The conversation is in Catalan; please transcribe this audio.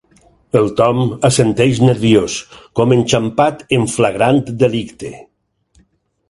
El Tom assenteix nerviós, com enxampat en flagrant delicte.